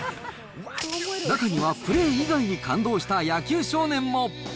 中には、プレー以外に感動した野球少年も。